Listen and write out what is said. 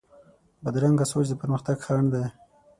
بدرنګه سوچ د پرمختګ خنډ دی